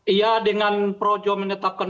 iya dengan projo menetapkan